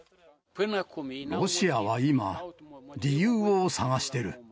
ロシアは今、理由を探してる。